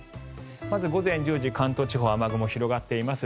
まず午前１０時関東地方、雨雲広がっています。